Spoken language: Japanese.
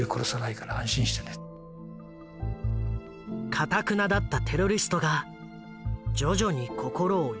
かたくなだったテロリストが徐々に心を許し始めた。